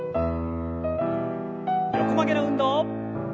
横曲げの運動。